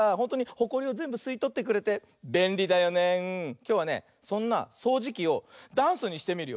きょうはねそんなそうじきをダンスにしてみるよ。